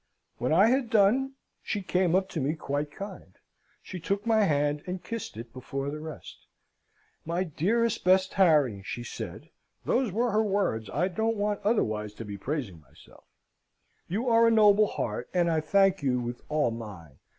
"When I had done, she came up to me quite kind. She took my hand, and kissed it before the rest. 'My dearest, best Harry!' she said (those were her words, I don't want otherwise to be praising myself), 'you are a noble heart, and I thank you with all mine.